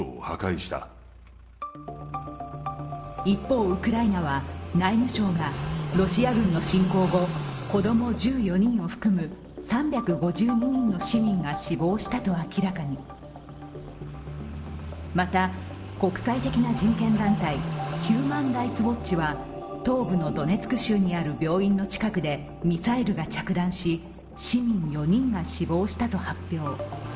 一方、ウクライナは内務省がロシア軍の侵攻後、子供１４人を含む３５２人の市民が死亡したと明らかにまた、国際的な人権団体ヒューマン・ライツ・ウォッチは東部のドネツク州にある病院の近くでミサイルが着弾し、市民４人が死亡したと発表。